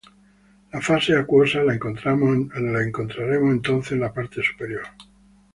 La fase acuosa la encontraremos entonces en la parte superior.